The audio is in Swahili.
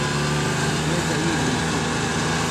Meza hii ni fupi